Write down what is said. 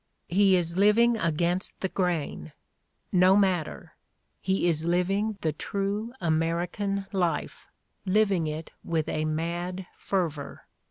He is living against Everybody's Neighbor 135 the grain; no matter, he is living the true American life, living it with a mad fervor.